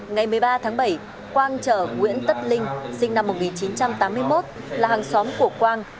ngày một mươi ba tháng bảy quang chở nguyễn tất linh sinh năm một nghìn chín trăm tám mươi một là hàng xóm của quang